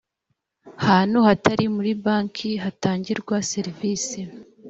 hantu hatari muri banki hagatangirwa serivisi